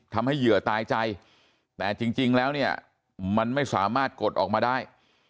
เหยื่อตายใจแต่จริงแล้วเนี่ยมันไม่สามารถกดออกมาได้